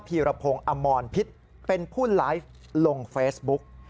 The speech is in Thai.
ีรพงศ์อมรพิษเป็นผู้ไลฟ์ลงเฟซบุ๊ก